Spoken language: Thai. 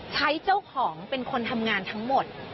ใช้เจ้าของเป็นคนทำงานทั้งหมด